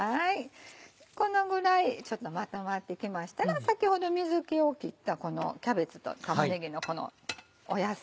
このぐらいちょっとまとまってきましたら先ほど水気を切ったこのキャベツと玉ねぎの野菜